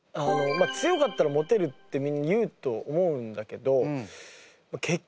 強かったらモテるってみんな言うと思うんだけど結局は顔。